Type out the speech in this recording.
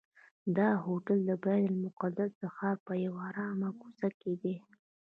دا هوټل د بیت المقدس د ښار په یوه آرامه کوڅه کې دی.